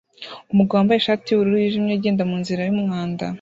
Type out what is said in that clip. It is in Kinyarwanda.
Umugabo wambaye ishati yubururu yijimye agenda munzira yumwanda